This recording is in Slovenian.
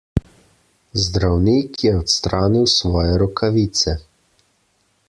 Zdravnik je odstranil svoje rokavice.